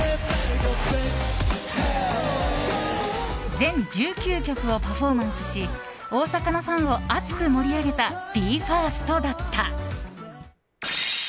全１９曲をパフォーマンスし大阪のファンを熱く盛り上げたＢＥ：ＦＩＲＳＴだった。